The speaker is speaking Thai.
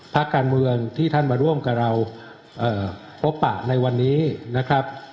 พักการเมืองที่ท่านมาร่วมกับเราพบปะในวันนี้นะครับ